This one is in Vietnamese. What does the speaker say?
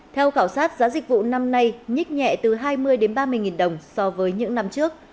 theo khảo sát giá dịch vụ năm nay nhích nhẹ từ hai mươi ba mươi nghìn đồng so với những năm trước